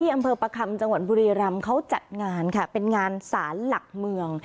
อำเภอประคัมจังหวัดบุรีรำเขาจัดงานค่ะเป็นงานสารหลักเมือง